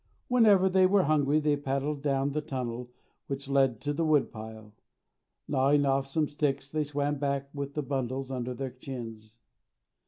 Whenever they were hungry they paddled down the tunnel which led to the woodpile. Gnawing off some sticks they swam back with the bundles under their chins.